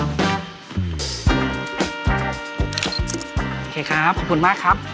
โอเคครับขอบคุณมากครับ